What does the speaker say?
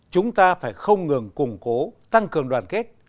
chúng ta phải không ngừng củng cố tăng cường đoàn kết